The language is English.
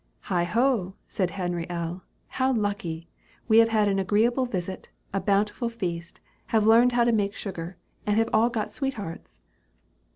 "Heigh ho!" said Henry L., "how lucky! We have had an agreeable visit, a bountiful feast have learned how to make sugar, and have all got sweethearts!"